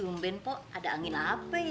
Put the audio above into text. dumbin pok ada angin apa ya